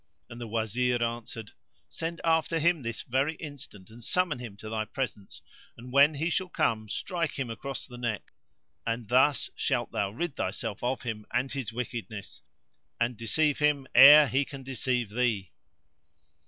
and the Wazir answered, "Send after him this very instant and summon him to thy presence; and when he shall come strike him across the neck; and thus shalt thou rid thyself of him and his wickedness, and deceive him ere he can deceive thee."